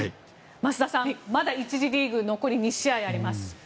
増田さん、まだ１次リーグ残り２試合あります。